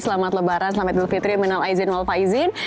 selamat lebaran selamat dhu l fitr minal aizin wal faizin